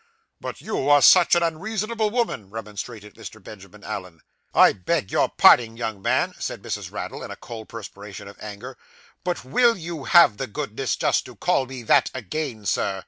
'But you are such an unreasonable woman,' remonstrated Mr. Benjamin Allen. 'I beg your parding, young man,' said Mrs. Raddle, in a cold perspiration of anger. 'But will you have the goodness just to call me that again, sir?